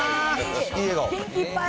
元気いっぱい。